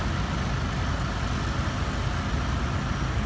พร้อมต่ำยาว